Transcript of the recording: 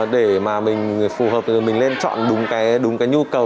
để mà mình phù hợp mình nên chọn đúng cái nhu cầu